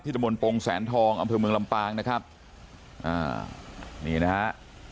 ตะมนต์ปงแสนทองอำเภอเมืองลำปางนะครับอ่านี่นะฮะ